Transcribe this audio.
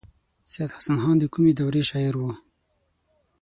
سید حسن خان د کومې دورې شاعر و.